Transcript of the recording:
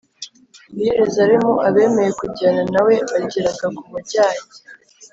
i Yerusalemu Abemeye kujyana na we bageraga ku Bajyanye